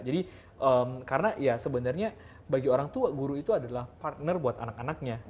jadi karena ya sebenarnya bagi orang tua guru itu adalah partner buat anak anaknya